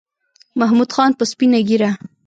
محمود خان په سپینه ګیره